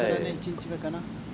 １日目かな。